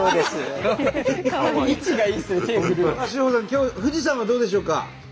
今日富士山はどうでしょうか？